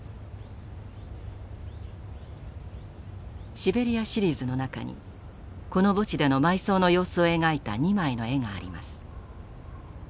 「シベリア・シリーズ」の中にこの墓地での埋葬の様子を描いた２枚の絵があります。